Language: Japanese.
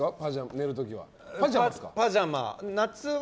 寝る時は。